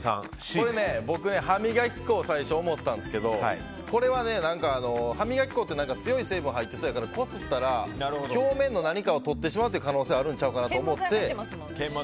これ、僕歯磨き粉を最初思ったんですけどこれはね、歯磨き粉って強い成分が入ってそうやからこすったら、表面の何かを取ってしまう可能性があるんちゃうかなと思って。